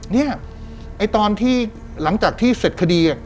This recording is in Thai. เนี่ยไอ้ตอนที่หลังจากที่เสร็จคดี